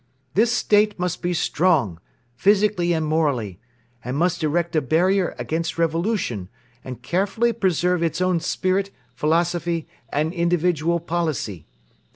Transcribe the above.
This State must be strong, physically and morally, and must erect a barrier against revolution and carefully preserve its own spirit, philosophy and individual policy.